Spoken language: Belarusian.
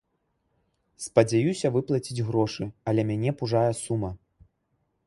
Спадзяюся выплаціць грошы, але мяне пужае сума.